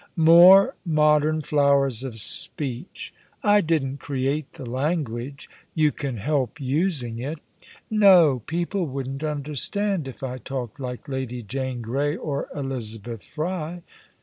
"More modern flowers of speech!" "I didn't create the language." "You can help using it." "No. People wouldn't understand if I talked like Lady Jane Grey or Elizabeth Fry."